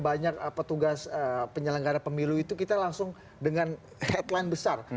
banyak petugas penyelenggara pemilu itu kita langsung dengan headline besar